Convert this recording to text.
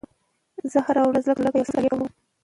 زه هره ورځ لږ تر لږه یو څه مطالعه کوم